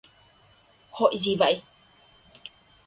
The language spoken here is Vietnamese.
Hội gì vậy